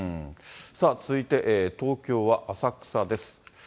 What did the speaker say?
さあ、続いて東京は浅草です。